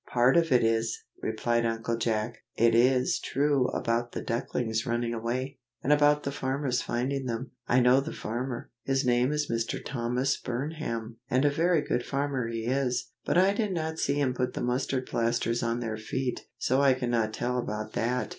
"Part of it is," replied Uncle Jack. "It is true about the ducklings running away, and about the farmer's finding them. I know the farmer. His name is Mr. Thomas Burnham, and a very good farmer he is. But I did not see him put the mustard plasters on their feet, so I cannot tell about that."